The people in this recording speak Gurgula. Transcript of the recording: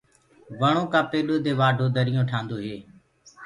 وڻو ڪآ پيڏو دي وآڍو دريونٚ ٺآندو هيٚ۔